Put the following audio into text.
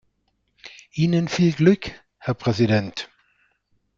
Ihnen viel Glück, Herr Präsident!